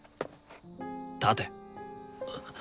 立て。